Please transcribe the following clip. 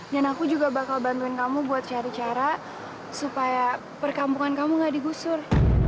dan aku juga bakal bantuin kamu buat cari cara supaya perkampungan kamu gak digusur